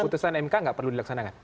putusan mk nggak perlu dilaksanakan